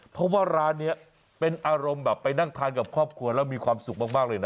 เพราะว่าร้านนี้เป็นอารมณ์แบบไปนั่งทานกับครอบครัวแล้วมีความสุขมากเลยนะ